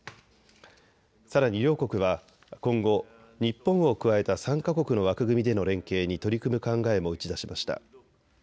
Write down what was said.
さらに両国は今後、日本を加えた３か国の枠組みでの連携に取り組む考えも打ち出しました。